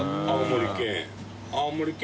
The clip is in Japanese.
青森県。